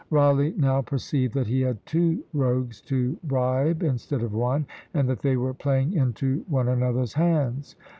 Rawleigh now perceived that he had two rogues to bribe instead of one, and that they were playing into one another's hands.